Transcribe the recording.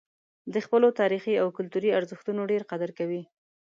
د خپلو تاریخي او کلتوري ارزښتونو ډېر قدر کوي.